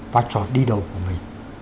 vai trò đi đầu của mình